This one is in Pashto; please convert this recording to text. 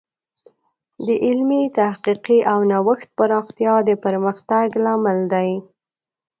د علمي تحقیق او نوښت پراختیا د پرمختګ لامل دی.